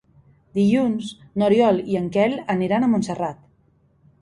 Dilluns n'Oriol i en Quel aniran a Montserrat.